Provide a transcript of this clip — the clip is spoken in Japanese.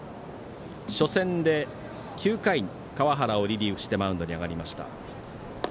初戦で９回、川原をリリーフしてマウンドに上がりました。